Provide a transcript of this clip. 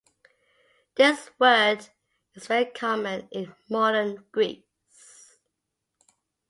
This word is very common in modern Greece.